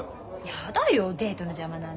やだよデートの邪魔なんて。